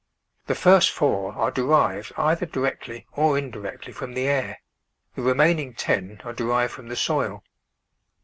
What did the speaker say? The first four are derived either directly or indirectly from the air, the remaining ten are derived from the soil.